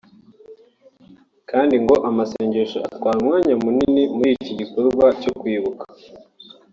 kandi ngo amasengesho atwara umwanya munini muri iki gikorwa cyo kwibuka